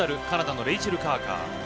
カナダのレイチェル・カーカー。